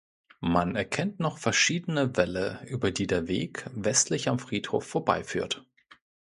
Man erkennt noch verschiedene Wälle, über die der Weg westlich am Friedhof vorbeiführt.